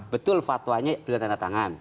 betul fatwanya berdana tangan